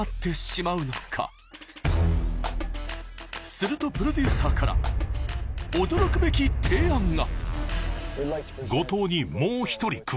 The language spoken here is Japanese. するとプロデューサーから驚くべき提案が！